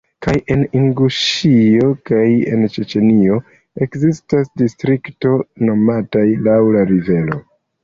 Kaj en Inguŝio kaj en Ĉeĉenio ekzistas distriktoj nomataj laŭ la rivero.